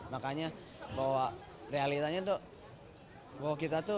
makanya bahwa realitanya tuh